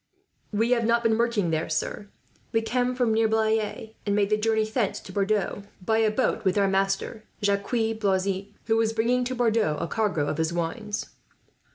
"We have not been working there, sir. We come from near Blaye, and made the journey thence to Bordeaux by a boat with our master, Jacques Blazin, who was bringing to Bordeaux a cargo of his wines."